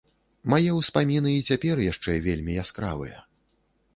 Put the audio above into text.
Мае ўспаміны і цяпер яшчэ вельмі яскравыя.